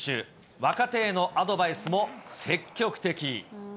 若手へのアドバイスも積極的。